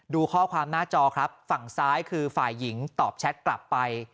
ดูข้อความหน้าจอครับฝั่งซ้ายคือฝ่ายหญิงตอบแชทกลับไป